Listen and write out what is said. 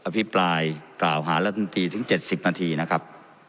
พิปรายกล่าวหารัฐมนตรีถึง๗๐นาทีนะครับ